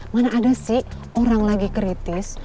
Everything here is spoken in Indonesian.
mana ada sih orang lagi kritis